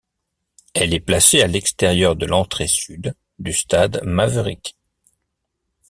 Elle est placée à l'extérieur de l'entrée sud du stade Maverik.